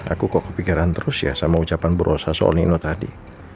aku kok kepikiran terus ya sama ucapan burosa soal nino tadi